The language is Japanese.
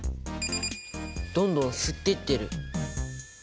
どんどん吸っていってる。